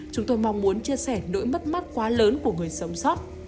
chúng tôi mong muốn chia sẻ nỗi mất mát quá lớn của người sống sót